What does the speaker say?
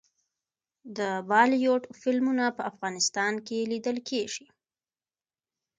د بالیووډ فلمونه په افغانستان کې لیدل کیږي.